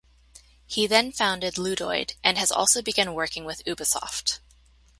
He then founded Ludoid, and has also begun working with Ubisoft.